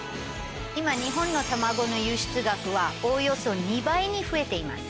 今日本の卵の輸出額はおおよそ２倍に増えています。